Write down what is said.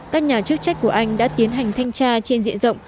các nhà chức trách của anh đã tiến hành thanh tra trên diện rộng